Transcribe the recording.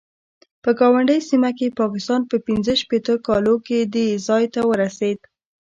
په ګاونډۍ سیمه کې پاکستان په پنځه شپېته کالو کې دې ځای ته ورسېد.